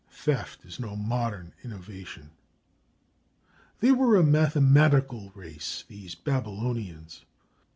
Theft is no modern innovation. They were a mathematical race, these Babylonians.